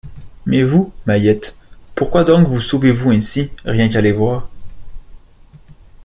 Mais vous, Mahiette, pourquoi donc vous sauvez-vous ainsi, rien qu’à les voir?